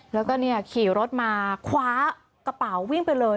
แล้วก็ขี่รถมาคว้ากระเป๋าวิ่งไปเลย